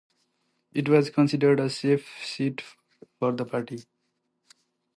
It was considered a safe seat for the party.